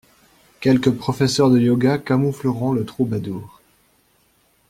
Quelques professeurs de yoga camoufleront le troubadour.